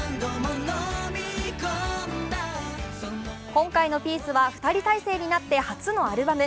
今回の「ピース」は２人体制になって初のアルバム。